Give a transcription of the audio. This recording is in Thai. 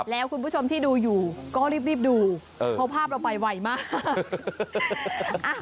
แล้วคุณผู้ชมที่ดูอยู่ก็รีบดูเพราะภาพเราไปไวมาก